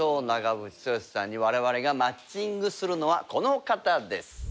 長渕剛さんにわれわれがマッチングするのはこの方です。